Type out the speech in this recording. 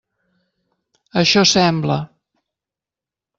Això sembla.